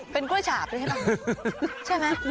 เป็นกล้วยฉาบด้วยใช่ไหม